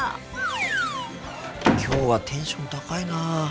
きょうはテンション高いな。